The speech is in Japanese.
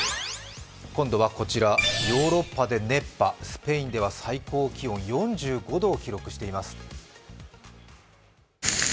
今度はこちらヨーロッパで熱波、スペインでは最高気温４５度を記録しています。